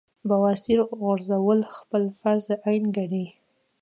بواسير غورزول خپل فرض عېن ګڼي -